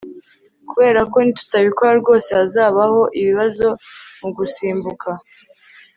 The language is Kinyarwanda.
kuberako nitutabikora rwose hazabaho ibibazo mugusimbuka